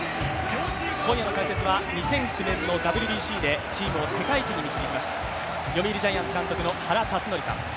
今夜の解説は２００９年のＷＢＣでチームを世界一に導きました読売ジャイアンツの原辰徳さん。